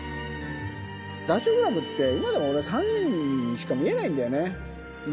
ダチョウ倶楽部って今でも俺は３人にしか見えないんだよね。